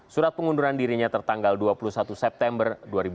surat pengunduran dirinya tertanggal dua puluh satu september dua ribu dua puluh